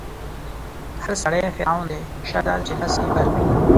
هر سړی فرعون دی، شرط دا دی چې لاس يې بر وي